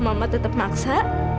kalau mama tetap maksa